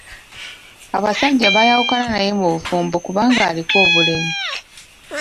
Abasajja bayawukana naye mu bufumbo kubanga aliko obulemu.